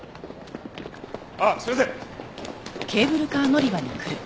あっすいません！